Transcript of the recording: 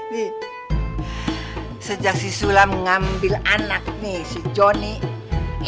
nih sejak si sula mengambil anak nih si jonny